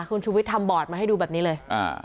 คุณชุวิตทำบอร์ดมาให้ดูแบบนี้เลย